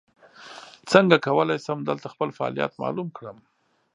څنګه کولی شم دلته خپل فعالیت معلوم کړم ؟